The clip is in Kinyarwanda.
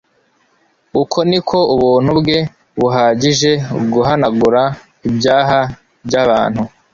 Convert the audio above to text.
Uko niko ubuntu bwe buhagije guhanagura ibyaha by'abantu,